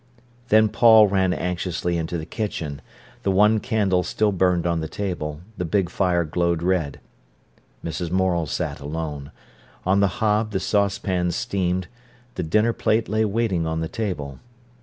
Then Paul ran anxiously into the kitchen. The one candle still burned on the table, the big fire glowed red. Mrs. Morel sat alone. On the hob the saucepan steamed; the dinner plate lay waiting on the table.